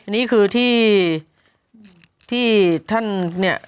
นี่คือที่ท่านเนี่ย